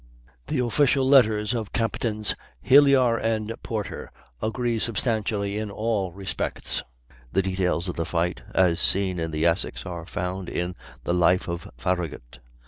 The official letters of Captains Hilyar and Porter agree substantially in all respects; the details of the fight, as seen in the Essex, are found in the "Life of Farragut."